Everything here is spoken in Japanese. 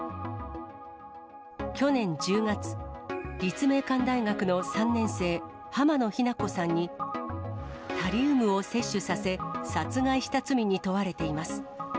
去年１０月、立命館大学の３年生、浜野日菜子さんにタリウムを摂取させ、殺害した罪に問われています。